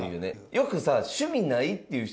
よくさ趣味ないっていう人いるやん。